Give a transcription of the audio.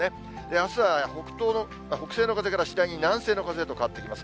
あすは北西の風から次第に南西の風へと変わってきます。